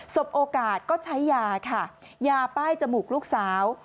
สบโอกาสก็ใช้ยาค่ะยาป้ายจมูกลูกสาว